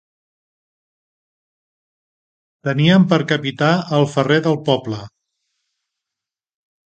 Teníem per capità el ferrer del poble.